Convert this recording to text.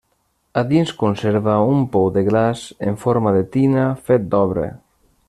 A dins conserva un pou de glaç en forma de tina, fet d'obra.